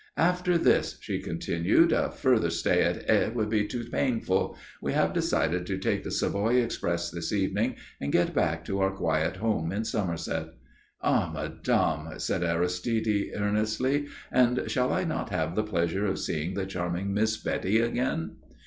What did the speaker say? "After this," she continued, "a further stay in Aix would be too painful. We have decided to take the Savoy express this evening and get back to our quiet home in Somerset." "Ah, madame," said Aristide earnestly. "And shall I not have the pleasure of seeing the charming Miss Betty again?"